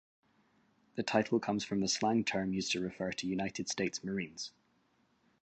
The title comes from the slang term used to refer to United States Marines.